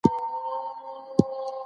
تاسي تل د خپل ژوند پلان لرئ.